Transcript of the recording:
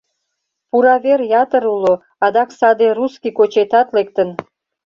Пуравер ятыр уло, адак саде «русский кочетат» лектын.